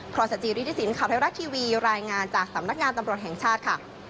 พรสจิริฐศิลปข่าวไทยรัฐทีวีรายงานจากสำนักงานตำรวจแห่งชาติค่ะ